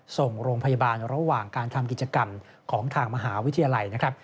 ส่งโรงพยาบาลระหว่างการทำกิจกรรมของทางมหาวิทยาลัยนะครับ